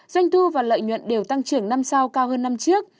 doanh thu và lợi nhuận đều tăng trưởng năm sau cao hơn năm trước